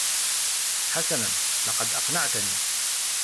حسنا، لقد أقنعتني.